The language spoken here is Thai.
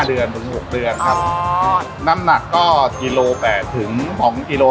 ๖เดือนครับอ๋อน้ำหนักก็กิโลแปดถึงของกิโล๒อ๋อ